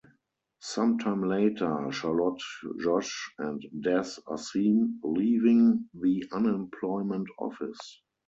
Some time later, Charlotte, Josh, and Des are seen leaving the unemployment office.